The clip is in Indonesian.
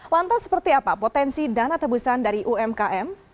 lantas seperti apa potensi dana tebusan dari umkm